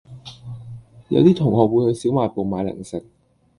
有啲同學會去小賣部買零食